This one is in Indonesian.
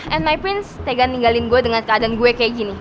and my prince tegan ninggalin gue dengan keadaan gue kayak gini